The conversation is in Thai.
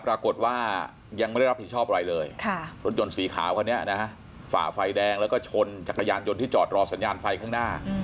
ปรากฏว่ายังไม่ได้รับผิดชอบอะไรเลยรถยนต์สีขาวคันนี้นะฮะฝ่าไฟแดงแล้วก็ชนจักรยานยนต์ที่จอดรอสัญญาณไฟข้างหน้า